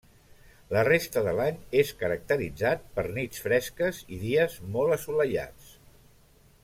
La resta de l'any és caracteritzat per nits fresques i dies molt assolellats.